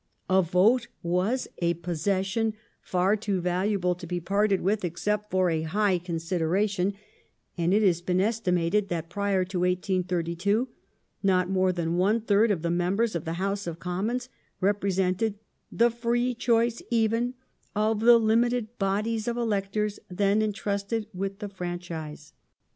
A vote was a possession far too valuable to be parted with except for a high consideration, and it has been estimated ^ that prior to 1832 not more than one third of the members of the House of Commons represented " the free choice even of the limited bodies of electors then entrusted with the franchise